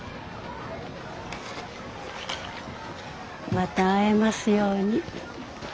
また会えますように。